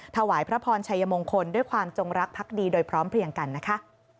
ถวายพระพรชัยมงคลด้วยความจงรักพักดีโดยพร้อมเพลียงกันนะคะ